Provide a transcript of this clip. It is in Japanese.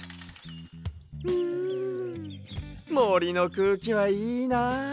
うんもりのくうきはいいな。